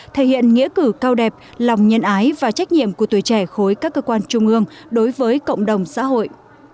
thể hiện nghĩa cử cao đẹp lòng nhân ái và trách nhiệm của tuổi trẻ khối các cơ quan trung ương đối với cộng đồng xã hội